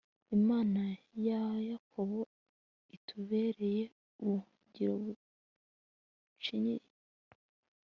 imana ya yakobo itubereye ubuhungiro bucinyiye